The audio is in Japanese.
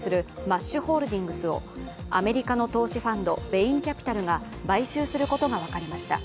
マッシュホールディングスをアメリカの投資ファンドベインキャピタルが買収することが分かりました。